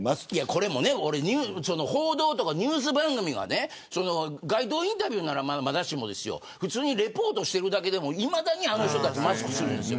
これも報道とかニュース番組は街頭インタビューならまだしも普通にリポートしているだけでもいまだにあの人たちマスクするんです。